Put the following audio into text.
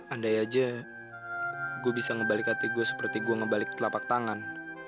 andai aja gue bisa ngebalik hati gue seperti gue ngebalik telapak tangan